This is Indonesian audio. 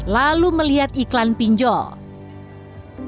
lalu melihat iklan pinjol